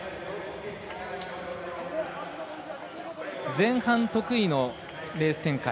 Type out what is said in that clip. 前半、得意のレース展開。